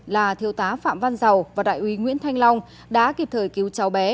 là thiêu tá phạm văn dầu và đại úy nguyễn thanh long đã kịp thời cứu cháu bé